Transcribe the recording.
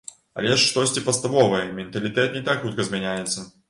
Але ж штосьці падставовае, менталітэт не так хутка змяняецца!